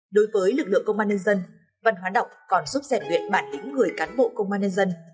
đối với lực lượng công an nhân dân văn hóa đọc còn giúp rèn luyện bản lĩnh người cán bộ công an nhân dân